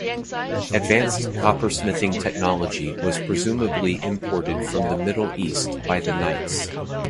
Advanced coppersmithing technology was presumably imported from the Middle East by the Knights.